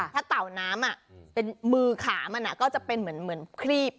ถ้าเต่าน้ำเป็นมือขามันก็จะเป็นเหมือนครีบ